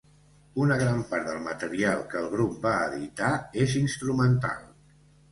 Una gran part del material que el grup va editar és instrumental.